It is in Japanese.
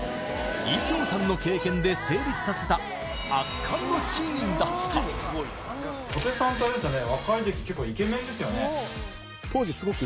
衣装さんの経験で成立させた圧巻のシーンだったみたいな感じですね